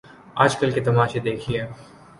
آج کل کے تماشے دیکھیے۔